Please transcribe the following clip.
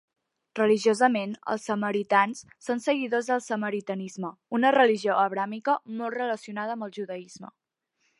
Religiosament, els samaritans són seguidors del samaritanisme, una religió abrahàmica molt relacionada amb el judaisme.